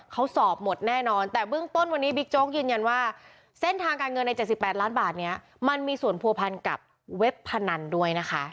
เขาสอบหมดแน่นอนแต่เบื้องต้นวันนี้บิ๊กโจ๊กยืนยันว่าเส้นทางการเงินใน๗๘ล้านบาทนี้มันมีส่วนผัวพันกับเว็บพนันด้วยนะคะ